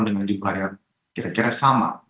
dengan jumlah yang kira kira sama